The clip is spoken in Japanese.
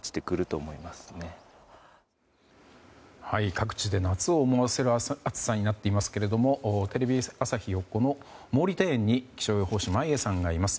各地で夏を思わせる暑さになっていますけどテレビ朝日横の毛利庭園に気象予報士の眞家さんがいます。